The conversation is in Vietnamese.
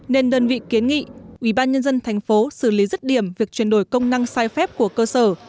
nên đơn vị kiến nghị ubnd thành phố xử lý rất điểm việc chuyển đổi công năng sai phép của cơ sở